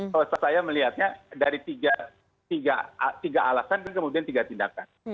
kalau saya melihatnya dari tiga alasan kemudian tiga tindakan